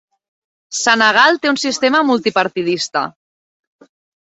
Senegal té un sistema multipartidista.